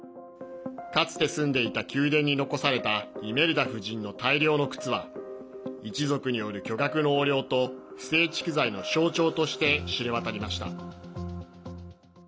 かつて住んでいた宮殿に残されたイメルダ夫人の大量の靴は一族による巨額の横領と不正蓄財の象徴として知れわたりました。